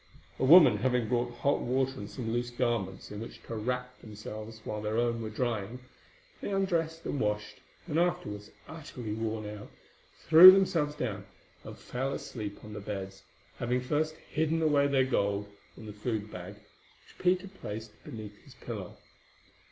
A woman having brought hot water and some loose garments in which to wrap themselves while their own were drying, they undressed and washed and afterwards, utterly worn out, threw themselves down and fell asleep upon the beds, having first hidden away their gold in the food bag, which Peter placed beneath his pillow.